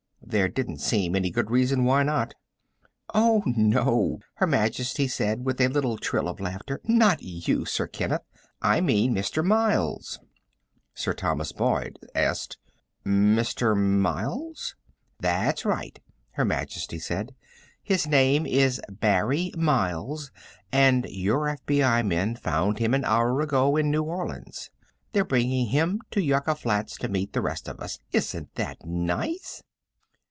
There didn't seem any good reason why not. "Oh, no," Her Majesty said with a little trill of laughter, "not you, Sir Kenneth. I meant Mr. Miles." Sir Thomas Boyd asked: "Mr. Miles?" "That's right," Her Majesty said. "His name is Barry Miles, and your FBI men found him an hour ago in New Orleans. They're bringing him to Yucca Flats to meet the rest of us; isn't that nice?"